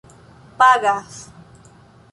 pagas